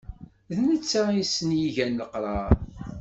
D netta i sen-igan leqrar.